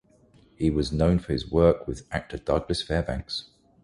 He was known for his work with actor Douglas Fairbanks.